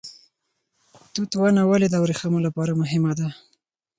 توت ونه ولې د وریښمو لپاره مهمه ده؟